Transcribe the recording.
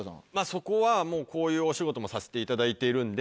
そこはこういうお仕事もさせていただいているんで。